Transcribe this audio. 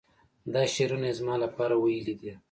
دا شعرونه یې زما لپاره ویلي دي.